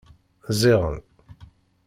Ziɣen.